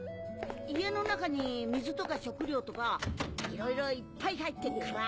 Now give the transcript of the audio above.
家の中に水とか食料とか色々いっぱい入ってっから。